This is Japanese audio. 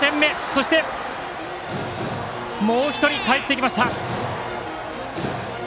そしてもう１人かえってきました。